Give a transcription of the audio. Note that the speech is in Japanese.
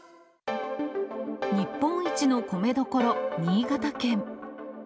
日本一の米どころ、新潟県。